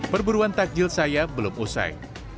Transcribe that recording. perburuan takjil saya belum usai